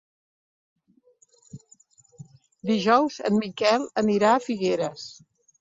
Dijous en Miquel anirà a Figueres.